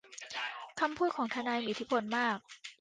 คำพูดของทนายมีอิทธิพลมาก